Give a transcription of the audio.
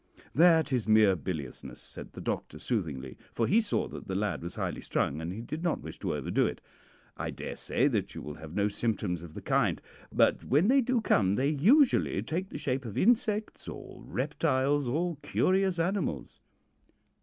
"'That is mere biliousness,' said the doctor soothingly, for he saw that the lad was highly strung, and he did not wish to overdo it. 'I daresay that you will have no symptoms of the kind, but when they do come they usually take the shape of insects, or reptiles, or curious animals.'